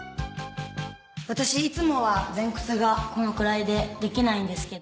ワタシいつもは前屈がこのくらいでできないんですけど。